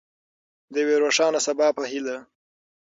د یوې روښانه سبا په هیله.